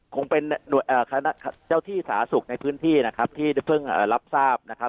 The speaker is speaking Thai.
คงเป็นเจ้าที่สาธารณสุขในพื้นที่นะครับที่เพิ่งรับทราบนะครับ